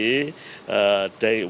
salah satu solusi